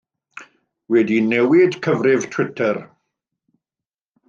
Wedi newid cyfrif Twitter.